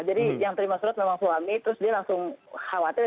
jadi yang terima surat memang suami terus dia langsung khawatir